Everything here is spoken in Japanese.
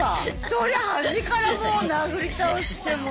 そりゃ端からもう殴り倒してもう。